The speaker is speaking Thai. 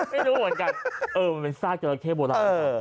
ไม่รู้เหมือนกันเออมันเป็นซากจราเข้โบราณ